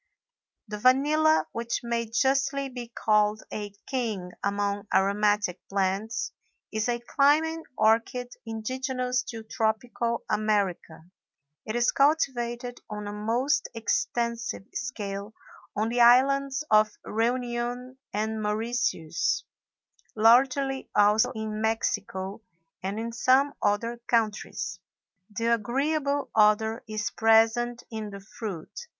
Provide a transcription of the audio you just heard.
The vanilla, which may justly be called a king among aromatic plants, is a climbing orchid indigenous to tropical America. It is cultivated on a most extensive scale on the islands of Reunion and Mauritius; largely also in Mexico, and in some other countries. The agreeable odor is present in the fruit.